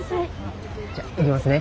じゃあ行きますね。